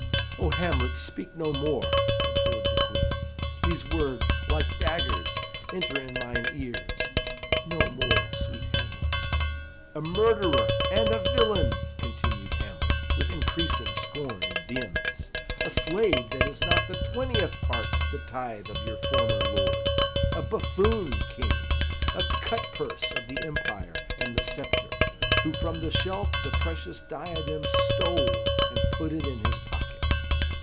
"O Hamlet, speak no more!" implored the Queen. "These words, like daggers, enter in mine ears; no more, sweet Hamlet." "A murderer and a villain!" continued Hamlet, with increasing scorn and vehemence; "a slave that is not the twentieth part the tithe of your former lord; a buffoon king; a cutpurse of the empire and the sceptre, who from the shelf the precious diadem stole, and put it in his pocket!"